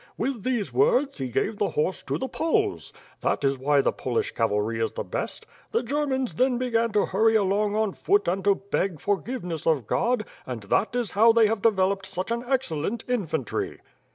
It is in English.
With these words, he gave the horse to the Poles. That is why the Polish cavalry is the best. The Germans then began to hurry along on foot and to beg for giveness of God; and that is how they have developed such an excellent infantry."